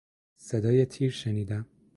صدای تیر شنیدم.